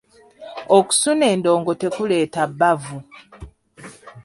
Okusuna endongo tekuleeta bbavu.